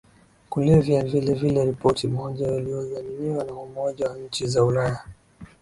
kulevyaVilevile ripoti moja iliyodhaminiwa na Umoja wa Nchi za Ulaya